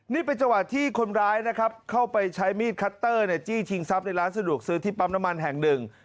นี่เป็นจังหวะที่คนร้ายนะครับเข้าไปใช้มีดคัตเตอร์จี้ชิงทรัพย์ในร้านสะดวกซื้อที่ปั๊มน้ำมันแห่งหนึ่ง